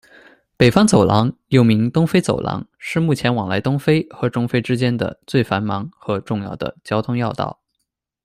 北方走廊，又名东非走廊，是目前往来东非和中非之间的最繁忙和重要的交通要道。